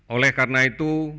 oleh karena itu